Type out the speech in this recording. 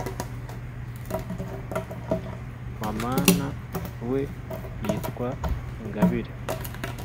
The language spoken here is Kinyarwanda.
maman we yitwa Ingabire